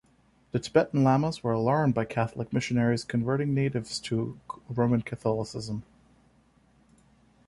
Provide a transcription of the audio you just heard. The Tibetan lamas were alarmed by Catholic missionaries converting natives to Roman Catholicism.